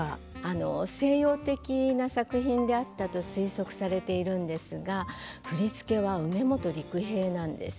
西洋的な作品であったと推測されているんですが振付は楳茂都陸平なんです。